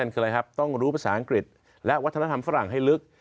คืออะไรครับต้องรู้ภาษาอังกฤษและวัฒนธรรมฝรั่งให้ลึก